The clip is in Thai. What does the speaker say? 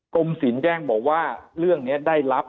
กรมศิลป์แรกบอกว่าเรื่องนี้ได้รับ